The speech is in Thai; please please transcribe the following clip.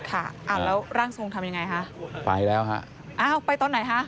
แล้วร่างส่วงทำอย่างไร